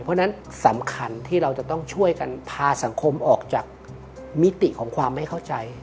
เพราะฉะนั้นสำคัญที่เราจะต้องช่วยกันพาสังคมออกจากมิติของความไม่เข้าใจ